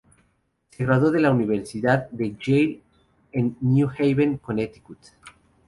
Se graduó de la Universidad de Yale en New Haven, Connecticut.